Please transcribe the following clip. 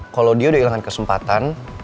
kalo dia udah ilang kesempatan